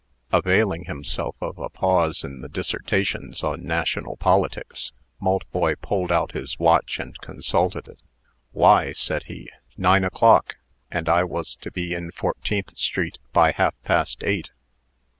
Availing himself of a pause in the dissertations on national politics, Maltboy pulled out his watch and consulted it. "Why!" said he; "nine o'clock! And I was to be in Fourteenth street by half past eight.